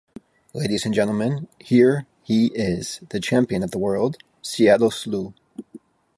Ladies and gentlemen, here he is, the champion of the world, Seattle Slew!